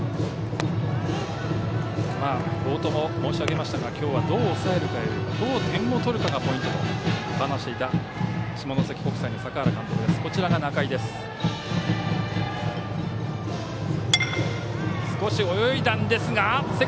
冒頭も申し上げましたが今日はどう抑えるかよりどう点を取るかがポイントと話していた下関国際の坂原監督です。